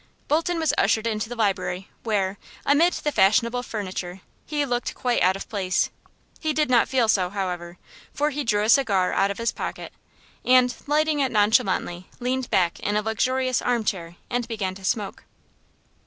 Bolton was ushered into the library, where, amid the fashionable furniture he looked quite out of place. He did not feel so, however, for he drew a cigar out of his pocket and, lighting it nonchalantly, leaned back in a luxurious armchair and began to smoke.